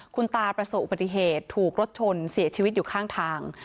คุณตาประสบอุบัติเหตุถูกรถชนเสียชีวิตอยู่ข้างทาง